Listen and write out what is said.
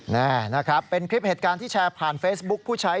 แน่นะครับเป็นคลิปเหตุการณ์ที่แชร์ผ่านเฟซบุ๊คผู้ใช้